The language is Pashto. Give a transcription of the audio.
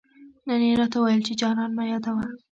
نن يې راته وويل، چي جانان مه يادوه